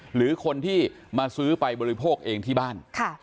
หรือคนที่มาซื้อไปบริโภคเองที่บ้าน